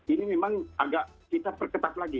ini memang agak kita perketat lagi